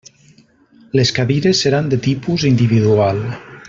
Les cadires seran de tipus individual.